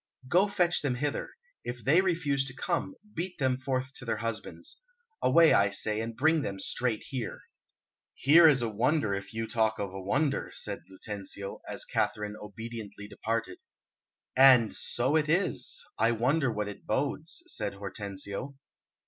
"Go, fetch them hither; if they refuse to come, beat them forth to their husbands. Away, I say, and bring them straight here." "Here is a wonder, if you talk of a wonder," said Lucentio, as Katharine obediently departed. "And so it is. I wonder what it bodes," said Hortensio.